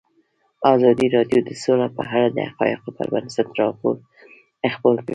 ازادي راډیو د سوله په اړه د حقایقو پر بنسټ راپور خپور کړی.